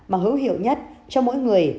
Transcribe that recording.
mà hữu hiệu nhất cho mỗi người